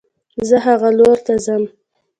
زه هغه لور ته ځم